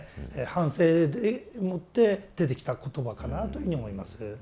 反省でもって出てきた言葉かなというふうに思います。